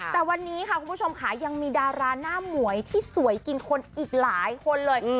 แต่วันนี้ค่ะคุณผู้ชมค่ะยังมีดาราหน้าหมวยที่สวยกินคนอีกหลายคนเลย